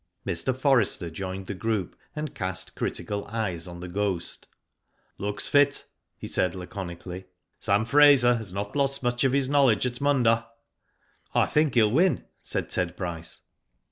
Mr. Forrester joined the group, and cast critical eyes on The Ghost. Looks fit," he said, laconically. "Sam Fraser has not lost much of his knowledge at Munda." '' I think he'll win," said Ted Bryce.